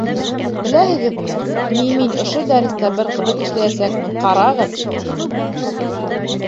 — Беләһегеҙме, ни, мин ошо дәрестә бер ҡыҙыҡ эшләйәсәкмен, ҡарағыҙ! -тине.